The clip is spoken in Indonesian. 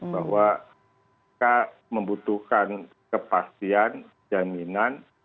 bahwa kita membutuhkan kepastian jaminan